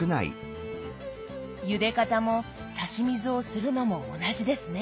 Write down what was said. ゆで方も差し水をするのも同じですね。